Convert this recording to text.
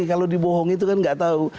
kalau dibohong itu kan nggak tahu